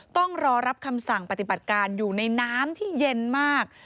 ต้องรอรับคำสั่งปฏิบัติการอยู่ในน้ำที่เย็นมาก